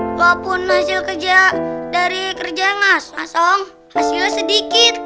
walaupun hasil kerja dari kerja ngas masong hasilnya sedikit